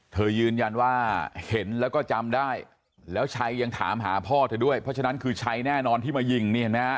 เธอยืนยันว่าเห็นแล้วก็จำได้แล้วชายยังถามหาพ่อเธอด้วยเพราะฉะนั้นคือชายแน่นอนที่มายิง